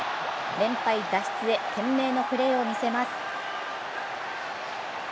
連敗脱出へ懸命のプレーを見せます。